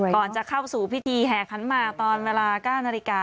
ก่อนจะเข้าสู่พิธีแห่ขันหมากตอนเวลา๙นาฬิกา